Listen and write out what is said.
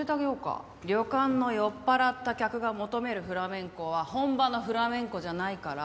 旅館の酔っ払った客が求めるフラメンコは本場のフラメンコじゃないから。